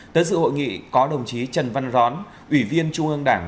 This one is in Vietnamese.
tới sự hội nghị có đồng chí trần văn rón ủy viên trung ương đảng